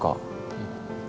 うん。